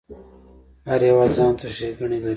هر هیواد ځانته ښیګڼی لري